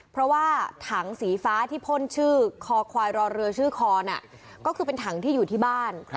เพราะว่าถังสีฟ้าที่พ่นชื่อคอควายรอเรือชื่อคอน่ะก็คือเป็นถังที่อยู่ที่บ้าน